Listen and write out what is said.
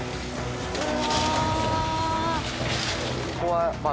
うわ。